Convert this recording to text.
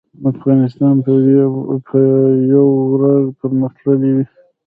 افغانستان به یو ورځ پرمختللی وي